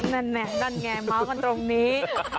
นั่นไงนั่นไงเมาส์กันตรงนี้